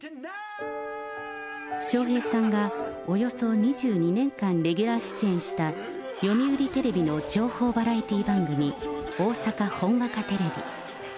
笑瓶さんがおよそ２２年間レギュラー出演した、読売テレビの情報バラエティー番組、大阪ほんわかテレビ。